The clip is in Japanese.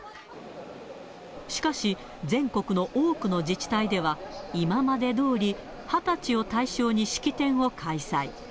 しかし、全国の多くの自治体では、今までどおり、２０歳を対象に式典を開催。